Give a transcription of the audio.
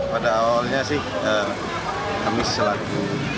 pemuda kota probolinggo